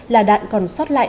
là đạn còn sót lại